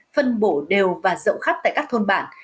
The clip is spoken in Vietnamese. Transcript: phân bổ đều và rộng khắp tại các thôn bản